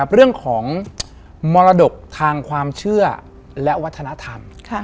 เรื่องของมรดกทางความเชื่อและวัฒนธรรม